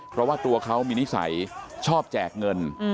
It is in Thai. เพราะว่าตัวเขามีนิสัยชอบแจกเงิน